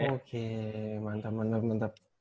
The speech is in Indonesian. oke mantap mantap mantap